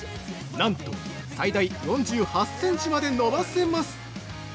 なんと、最大４８センチまで伸ばせます。